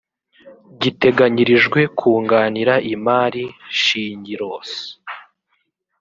giteganyirijwe kunganira imari shingiros